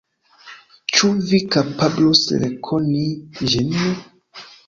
Ĉu Vi kapablus rekoni ĝin?